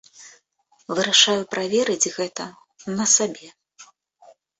Вырашаю праверыць гэта на сабе.